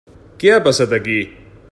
Què ha passat aquí?